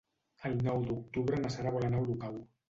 El nou d'octubre na Sara vol anar a Olocau.